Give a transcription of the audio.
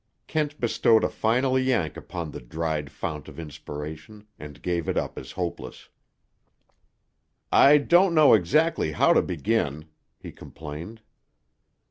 Kent bestowed a final yank upon the dried fount of inspiration, and gave it up as hopeless. "I don't know exactly how to begin," he complained.